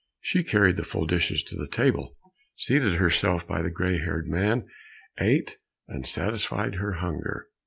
She carried the full dishes to the table, seated herself by the gray haired man, ate and satisfied her hunger.